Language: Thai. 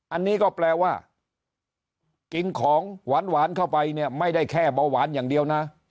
อันนี้ก็แปลว่ากินของหวานเข้าไปเนี่ยไม่ได้แค่เบาหวานอย่างเดียวนะ